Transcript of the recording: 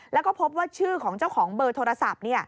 แล้วก็พบว่าชื่อของเจ้าของเบอร์โทรศัพท์